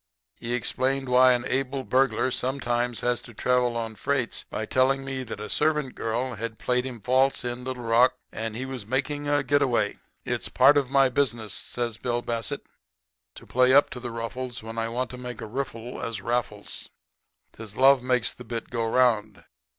He explained why an able burglar sometimes had to travel on freights by telling me that a servant girl had played him false in Little Rock, and he was making a quick get away. "'It's part of my business,' says Bill Bassett, 'to play up to the ruffles when I want to make a riffle as Raffles. 'Tis loves that makes the bit go 'round.